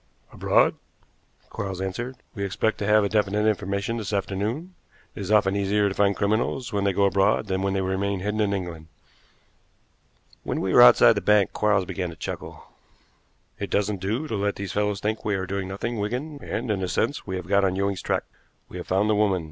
"Abroad," Quarles answered. "We expect to have definite information this afternoon. It is often easier to find criminals when they go abroad than when they remain hidden in England." When we were outside the bank Quarles began to chuckle. "It doesn't do to let these fellows think we are doing nothing, Wigan; and, in a sense, we have got on Ewing's track. We have found the woman.